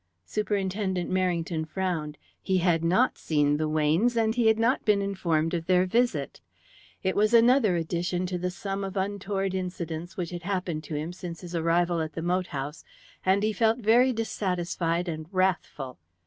Superintendent Merrington frowned. He had not seen the Weynes, and he had not been informed of their visit. It was another addition to the sum of untoward incidents which had happened to him since his arrival at the moat house, and he felt very dissatisfied and wrathful.